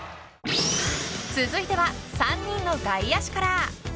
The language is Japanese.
続いては、３人の外野手から。